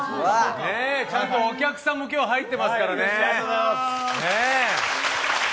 ちゃんとお客さんも今日は入ってますからね。